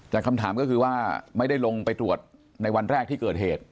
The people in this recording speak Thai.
แต่คำถามก็คือว่าไม่ได้ลงไปตรวจในวันแรกที่เกิดเหตุ